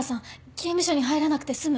刑務所に入らなくて済む？